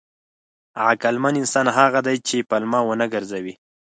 عقلمن انسان هغه دی چې پلمه ونه ګرځوي.